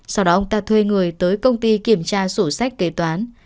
sau đó ông ta thuê người tới công ty kiểm tra sổ sách kế toán